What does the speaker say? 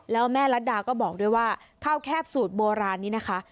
แล้วแม่รัฐดาก็บอกด้วยว่าข้าวแคบสูตรโบราณนี้นะคะ